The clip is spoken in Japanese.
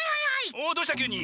おどうしたきゅうに。